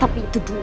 tapi itu dulu